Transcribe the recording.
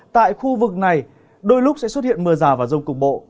tại khu vực này đôi lúc sẽ xuất hiện mưa rào và rông cục bộ